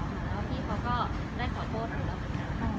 พี่เขาก็ได้ขอโทษแล้วก็ไม่มีอะไร